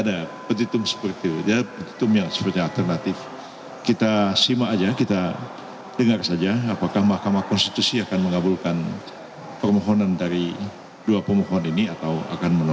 dari kpu sendiri apa yang diharapkan soal kpu terhadap sirekap